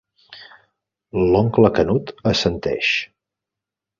L'oncle Canut assenteix.